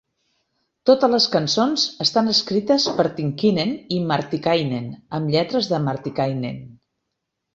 Totes les cançons estan escrites per Tynkkynen i Martikainen, amb lletres de Martikainen.